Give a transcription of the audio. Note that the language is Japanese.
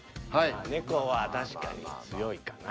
ネコは確かに強いかな。